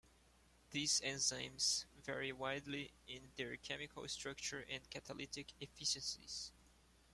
These enzymes vary widely in their chemical structure and catalytic efficiencies.